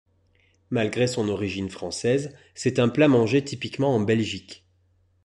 Malgré son origine française, c'est un plat mangé typiquement en Belgique.